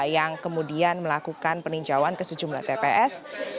yang kemudian melakukan peninjauan ke sejumlah tps